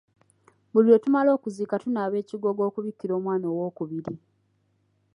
Buli lwe tumala okuziika tunaaba ekigogo okubikira omwana owookubiri.